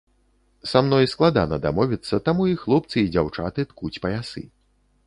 Са мной складана дамовіцца, таму і хлопцы і дзяўчаты ткуць паясы.